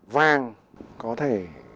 vàng có thể